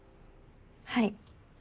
はい。